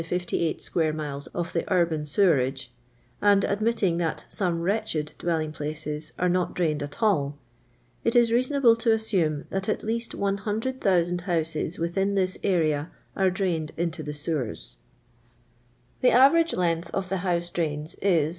^S square miles of ti:* urban sewerage, and admitting that some wrelthvi dwelling places are not drained at ull i: is fra Minable to assume that at hast 100,0 00 houses within this area are drained into the sewers. The average length of the houso drains i*.